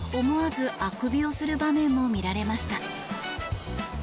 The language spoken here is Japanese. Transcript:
思わずあくびをする場面も見られました。